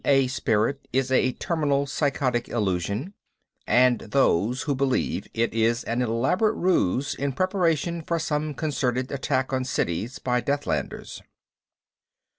A. spirit is a terminal psychotic illusion and those who believe it is an elaborate ruse in preparation for some concerted attack on cities by Deathlanders."